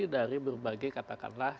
dari berbagai katakanlah